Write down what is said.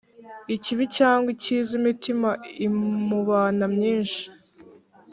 ikibi cyangwa ikiza, imitima imubana myinshi.